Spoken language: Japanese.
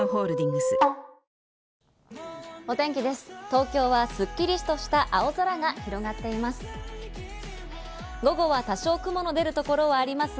東京はすっきりとした青空が広がっています。